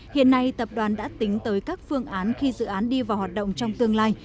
hiện nay tập đoàn đã tính tới các phương án khi dự án đi vào hoạt động trong tương lai